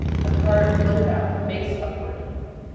A card fluttered out, face upward.